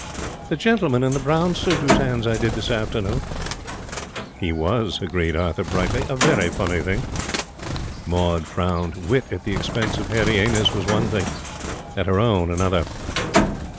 'The gentleman in the brown suit whose hands I did this afternoon ' 'He was,' agreed Arthur, brightly. 'A very funny thing.' Maud frowned. Wit at the expense of Hairy Ainus was one thing at her own another.